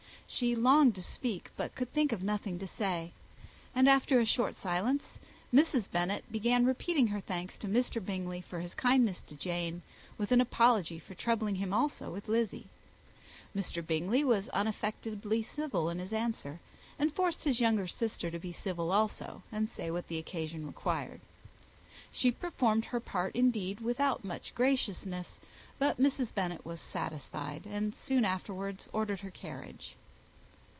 She longed to speak, but could think of nothing to say; and after a short silence Mrs. Bennet began repeating her thanks to Mr. Bingley for his kindness to Jane, with an apology for troubling him also with Lizzy. Mr. Bingley was unaffectedly civil in his answer, and forced his younger sister to be civil also, and say what the occasion required. She performed her part, indeed, without much graciousness, but Mrs. Bennet was satisfied, and soon afterwards ordered her carriage.